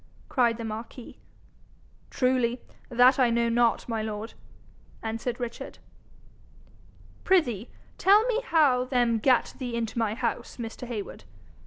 cried the marquis. 'Truly, that I know not, my lord,' answered Richard. 'Prithee tell me how them gat thee into my house, Mr. Heywood?